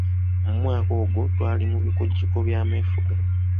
Mu mwaka ogwo twali mu bikujjuko by’amefuga.